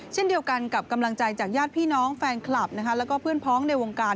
เช่นเดียวกันกับกำลังใจจากญาติพี่น้องแฟนคลับแล้วก็เพื่อนพ้องในวงการ